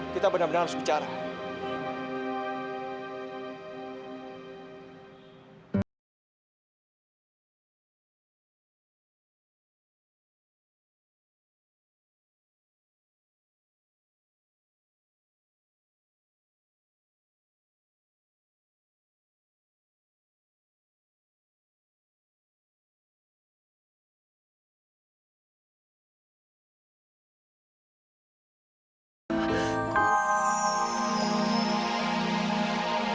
kita benar benar harus bicara